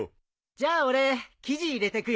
じゃあ俺生地入れてくよ。